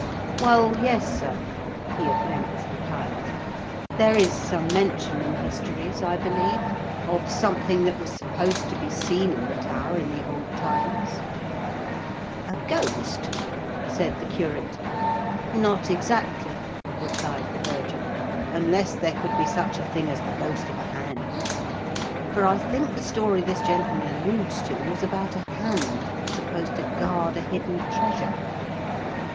*'Well, yes, sir," he at length replied. " There is some mention in histories, I believe, A B0CHE8TEB LEGEND. 63 of something that was supposed to be seen in the tower in the old times/' '* A ghost ?" said the curate. " Not exactly," replied the verger. " Unless there could be such a thing as the ghost of a hand ; for I think the story this gentleman alludes to was about a hand that was supposed to guard a hidden treasure."